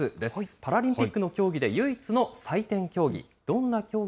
パラリンピックの競技で唯一の採点競技。